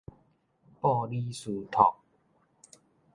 布里斯托